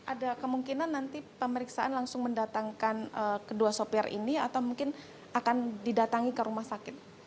ada kemungkinan nanti pemeriksaan langsung mendatangkan kedua sopir ini atau mungkin akan didatangi ke rumah sakit